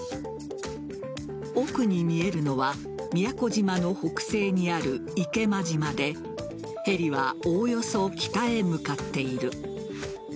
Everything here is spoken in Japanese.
奥に見えるのは宮古島の北西にある池間島でヘリはおおよそ北へ向かっている。